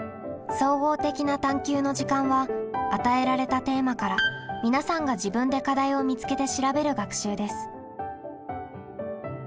「総合的な探究の時間」は与えられたテーマから皆さんが自分で課題を見つけて調べる学習です。